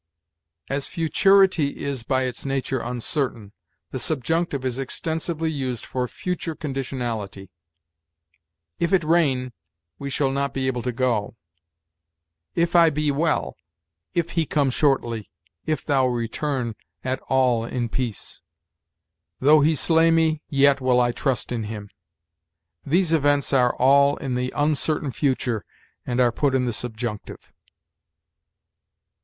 "As futurity is by its nature uncertain, the subjunctive is extensively used for future conditionality: 'If it rain, we shall not be able to go'; 'if I be well'; 'if he come shortly'; 'if thou return at all in peace'; 'though he slay me, yet will I trust in him.' These events are all in the uncertain future, and are put in the subjunctive.